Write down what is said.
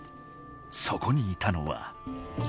そこにいたのは。